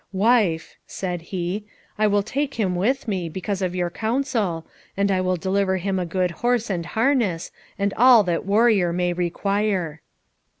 "Wife," said he, "I will take him with me, because of your counsel, and I will deliver him a good horse and harness, and all that warrior may require."